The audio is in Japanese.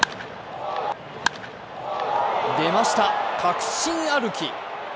出ました、確信歩き。